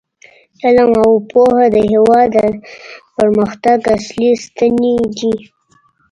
علم او پوهه د هیواد د پرمختګ اصلي ستنې دي.